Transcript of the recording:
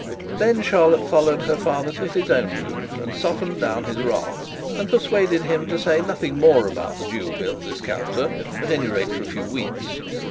Then Charlotte followed her father to his own room and softened down his wrath, and persuaded him to say nothing more about the Jew bill discounter, at any rate for a few weeks.